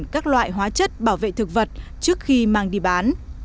các loại hóa chất bảo vệ thực vật trước khi mang đi bán